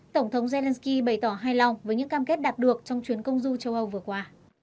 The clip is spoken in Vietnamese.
tổng thống zelenskyy bày tỏ hài lòng với những cam kết đạt được trong chuyến công du châu âu vừa qua